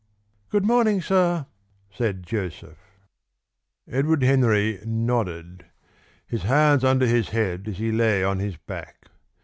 "Good morning, sir," said Joseph. Edward Henry nodded, his hands under his head as he lay on his back.